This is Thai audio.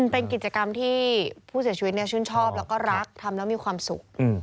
เป็นกิจกรรมที่ผู้เสียชีวิตชื่นชอบแล้วก็รักทำแล้วมีความสุข